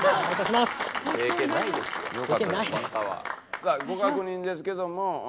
さあご確認ですけども。